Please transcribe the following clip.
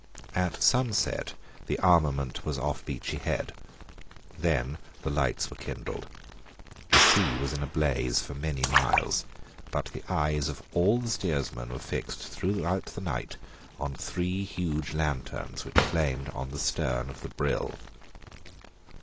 At sunset the armament was off Beachy Head. Then the lights were kindled. The sea was in a blaze for many miles. But the eyes of all the steersmen were fixed throughout the night on three huge lanterns which flamed on the stern of the Brill.